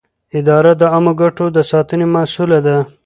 اداره د عامه ګټو د ساتنې مسووله ده.